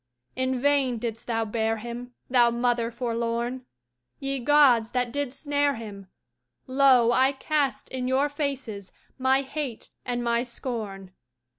In vain didst thou bear him, Thou Mother forlorn! Ye Gods that did snare him, Lo, I cast in your faces My hate and my scorn!